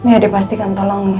ya dipastikan tolong